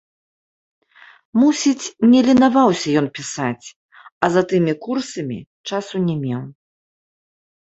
Мусіць, не ленаваўся ён пісаць, а за тымі курсамі часу не меў.